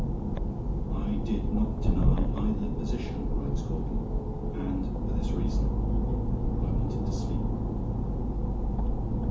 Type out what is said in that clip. "I did not deny either position," writes Caudle, "and for this reason I wanted to sleep."